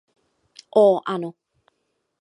Ó ano!